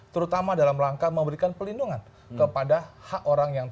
terutama dalam rangka memberikan pelindungan kepada hak hak masyarakat